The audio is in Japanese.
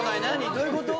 どういうこと？